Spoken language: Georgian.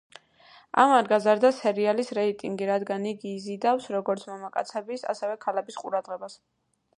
ამან გაზარდა სერიალის რეიტინგი, რადგან იგი იზიდავს როგორც მამაკაცების ასევე ქალბატონების ყურადღებას.